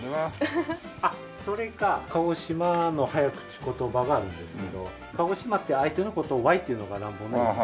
それか鹿児島の早口言葉があるんですけど鹿児島って相手の事を「わい」って言うのが乱暴な。